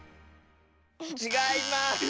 ちがいます！